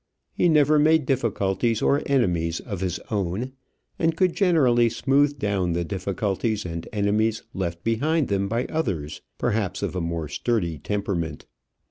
He never made difficulties or enemies of his own, and could generally smooth down the difficulties and enemies left behind them by others, perhaps of a more sturdy temperament.